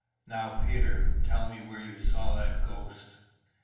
"Now, Peter, tell me just where you saw that ghost."